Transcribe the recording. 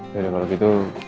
ya udah kalau gitu